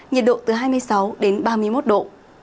nhiệt độ từ hai mươi sáu đến ba mươi một độ